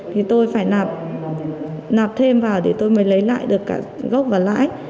thì tôi phải nạp nạp thêm vào để tôi mới lấy lại được cả gốc và lãi